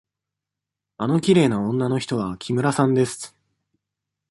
あのきれいな女の人は木村さんです。